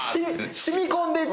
染み込んでいってる。